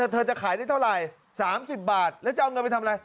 เธอจะขายได้เท่าไหร่๓๐บาทแล้วจะเอาเงินไปทำอะไร